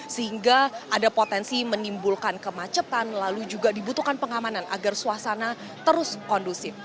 sehingga ada potensi menimbulkan kemacetan lalu juga dibutuhkan pengamanan agar suasana terus kondusif